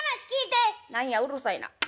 「何やうるさいな。